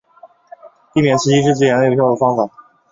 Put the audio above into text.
避免刺激是简单有效的方法。